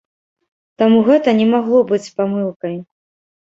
Таму гэта не магло быць памылкай.